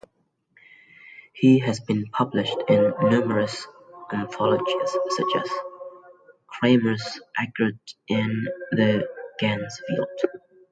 He has been published in numerous anthologies, such as "Kramers Ergot" and "The Ganzfeld".